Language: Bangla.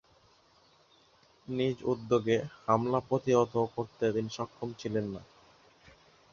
নিজ উদ্যোগে হামলা প্রতিহত করতে তিনি সক্ষম ছিলেন না।